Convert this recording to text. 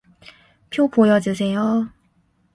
표 보여주세요.